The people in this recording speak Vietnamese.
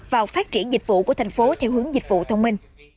vào phát triển dịch vụ của thành phố theo hướng dịch vụ thông minh